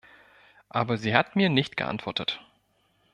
Aber sie hat mir nicht geantwortet.